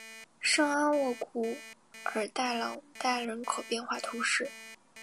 圣阿沃古尔代朗代人口变化图示